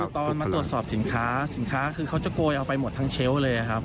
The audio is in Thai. ตอนมาตรวจสอบสินค้าสินค้าคือเขาจะโกยเอาไปหมดทั้งเชลล์เลยครับ